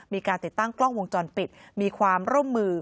มีการติดตั้งกล้องวงจรปิดมีความร่วมมือ